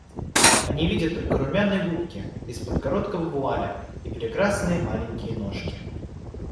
Они видят только румяные губки из-под короткого вуаля и прекрасные маленькие ножки.